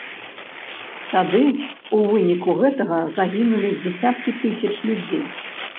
Тады ў выніку гэтага загінулі дзясяткі тысяч людзей.